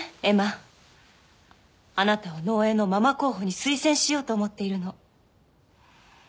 エマあなたを農園のママ候補に推薦しようと思っているの。